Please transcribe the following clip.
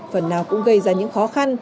phần nào cũng gây ra những khó khăn